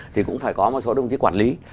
thì cũng phải có một số đồng chí quản lý